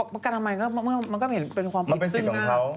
ประกันทำไมมันก็เห็นเป็นความผิดซึ้งมาก